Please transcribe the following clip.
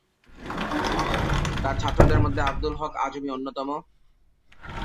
তার ছাত্রদের মধ্যে আব্দুল হক আজমি অন্যতম।